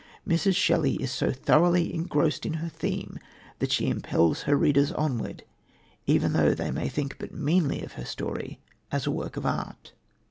Mrs. Shelley is so thoroughly engrossed in her theme that she impels her readers onward, even though they may think but meanly of her story as a work of art.